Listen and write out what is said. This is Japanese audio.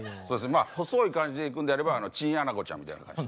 まあ細い感じでいくんであればチンアナゴちゃんみたいな感じ。